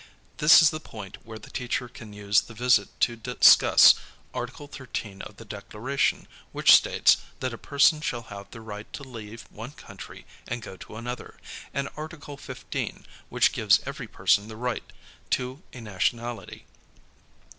This is the point where the teacher can use the visit to discuss Article 13 of the Declaration which states that a j^erson shall have the right to leave one country and go to another; and Article 15 which gives every person the right to a nationality.